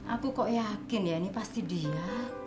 aku kok yakin ya ini pasti dia